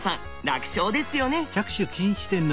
楽勝ですよね？